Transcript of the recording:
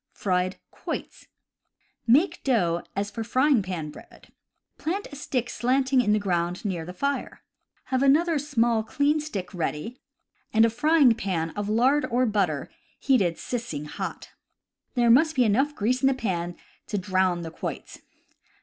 Fried Quoits. — Make dough as for frying pan bread. Plant a stick slanting in the ground near the fire. Have another small, clean stick ready, and a frying pan of lard or butter heated sissing hot. There must be enough grease in the pan to drown the quoits.